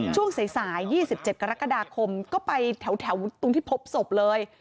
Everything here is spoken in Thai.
ช่วงสาย๒๗กรกฎาคมก็ไปแถวตรงที่พบศพเลย